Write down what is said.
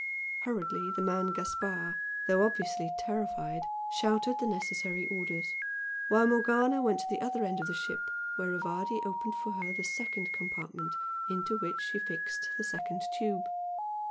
Hurriedly the man Gaspard, though obviously terrified, shouted the necessary orders, while Morgana went to the other end of the ship where Rivardi opened for her the second compartment into which she fixed the second tube.